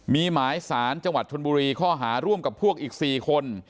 มีหมายสารจังหวัดชนบุรีข้อหาร่วมกับพวกอีก๔คน